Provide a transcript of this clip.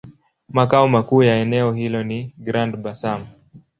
Makao makuu ya eneo hilo ni Grand-Bassam.